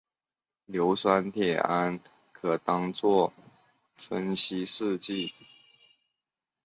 硫酸铁铵可当作分析试剂。